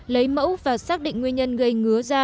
lấy mẫu và xác định nguyên nhân gây ngứa da